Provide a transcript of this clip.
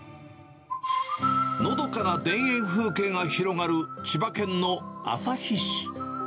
のどかな田園風景が広がる、千葉県の旭市。